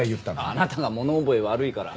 あなたが物覚え悪いから。